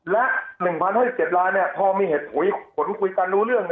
และ๑๐๕๗ล้านพอมีเหตุผลคุยกันรู้เรื่อง